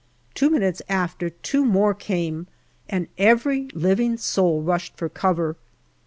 Two minutes after, two more came, and every living soul rushed for cover.